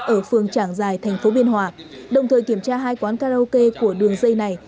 ở phường trảng giài thành phố biên hòa đồng thời kiểm tra hai quán karaoke của đường dây này